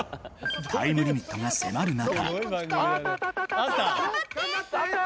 タイムリミットが迫る中。